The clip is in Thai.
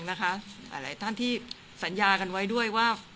หลายท่านที่สัญญากันไว้ด้วยว่า